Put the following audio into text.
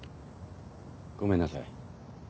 ごめんなさい。